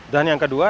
dan yang kedua